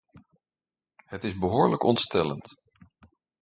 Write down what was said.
Het is behoorlijk ontstellend.